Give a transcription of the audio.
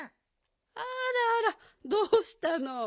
あらあらどうしたの？